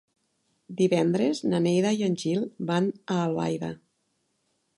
Divendres na Neida i en Gil van a Albaida.